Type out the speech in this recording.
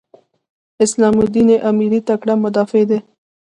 اسلام الدین امیري تکړه مدافع دی.